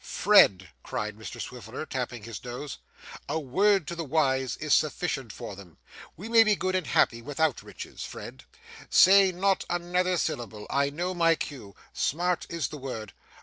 'Fred!' cried Mr Swiveller, tapping his nose, 'a word to the wise is sufficient for them we may be good and happy without riches, Fred. Say not another syllable. I know my cue; smart is the word.